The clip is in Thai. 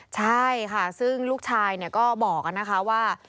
ใช่ค่ะซึ่งลูกชายเนี่ยก็บอกกันไว้